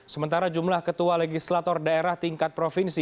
sementara jumlah ketua legislator daerah tingkat provinsi